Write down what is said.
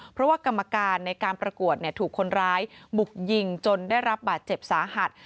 เพราะว่ากรรมการในการประกวดถูกคนร้ายบุกยิงจนได้รับบาดเจ็บสาหัส